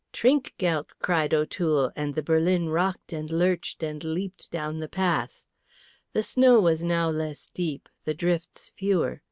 "Trinkgeldt!" cried O'Toole, and the berlin rocked and lurched and leaped down the pass. The snow was now less deep, the drifts fewer.